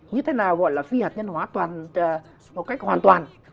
như thế nào gọi là phi hạt nhân hóa một cách hoàn toàn